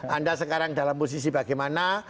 anda sekarang dalam posisi bagaimana